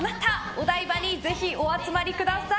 お台場にぜひお集まりください。